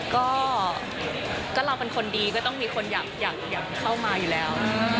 ก็เราเป็นคนดีก็ต้องมีคนอยากเข้ามาอยู่แล้ว